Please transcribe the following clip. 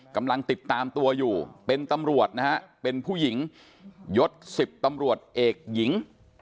กำลังติดตามตัวอยู่เป็นตำรวจนะฮะเป็นผู้หญิงยศ๑๐ตำรวจเอกหญิง